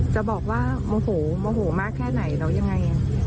จะบอกว่าโมโหโมโหมากแค่ไหนแล้วยังไง